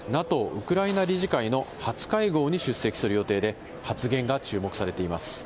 ウクライナ理事会の初会合に出席する予定で、発言が注目されています。